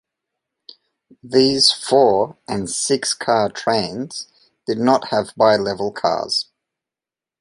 These four- and six-car trains did not have bilevel cars.